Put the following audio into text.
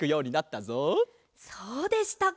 そうでしたか。